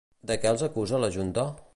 De què els acusa la junta?